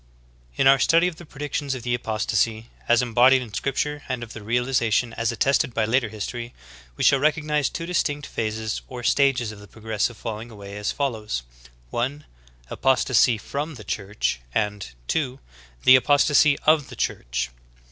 16. In our study of the predictions of the apostasy as embodied in scripture and of their realization as attested by later history, we shall recognize two^distinct phases or stag es Qf _the pro gressi ve falling away, as foUow^s : (1.) Apostasy from the Church; and (2.) The apostasy of the Church.